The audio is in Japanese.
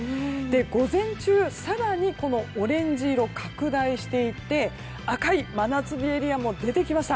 午前中、更にオレンジ色拡大していって赤い真夏日エリアも出てきました。